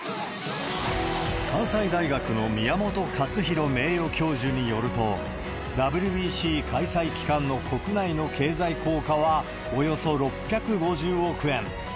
関西大学の宮本勝浩名誉教授によると、ＷＢＣ開催期間の国内の経済効果はおよそ６５０億円。